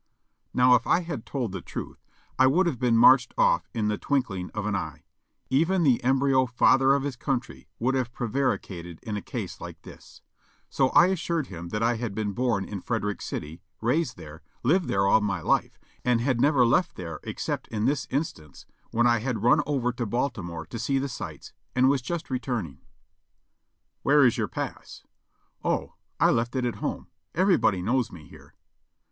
Now if I had told the truth I would have been marched ofif in the twinkling of an eye; even the embryo Father of his Country would have prevaricated in a case like this; so I assured him that I had been born in Frederick City, raised there, lived there all my life, and had never left there except in this instance, when I had run over to Baltimore to see the sights, and was just returning. "Where is your pass?" "O, I left it at home ; everybody knows me here."